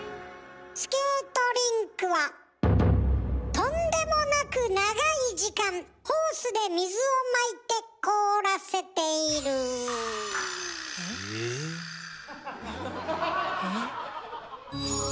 スケートリンクはとんでもなく長い時間ホースで水をまいて凍らせている。